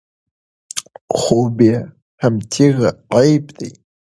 خو بې همتي عیب دی.